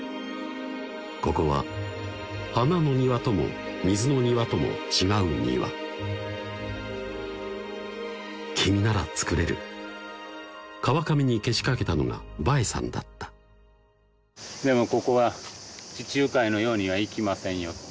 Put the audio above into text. ここは花の庭とも水の庭とも違う庭君なら造れる川上にけしかけたのがヴァエさんだったでもここは地中海のようにはいきませんよって